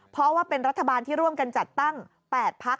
เพราะว่าเป็นรัฐบาลที่ร่วมกันจัดตั้ง๘พัก